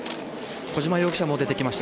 小島容疑者も出てきました。